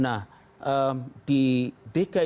nah di dki jakarta